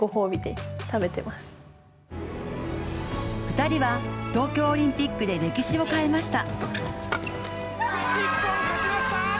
２人は、東京オリンピックで歴史を変えました。